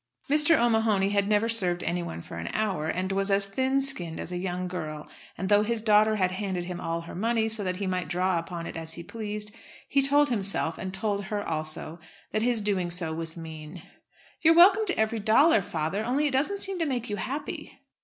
Mr. O'Mahony had never served anyone for an hour, and was as thin skinned as a young girl; and, though his daughter had handed him all her money, so that he might draw upon it as he pleased, he told himself, and told her also, that his doing so was mean. "You're welcome to every dollar, father, only it doesn't seem to make you happy."